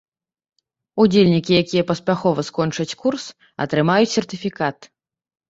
Удзельнікі, якія паспяхова скончаць курс, атрымаюць сертыфікат.